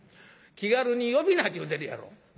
気軽に呼ぶなっちゅうてるやろ」。